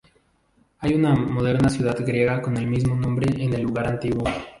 Hay una moderna ciudad griega con el mismo nombre en el lugar antiguo.